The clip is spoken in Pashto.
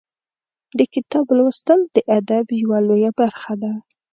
د کتاب لوستل د ادب یوه لویه برخه ده.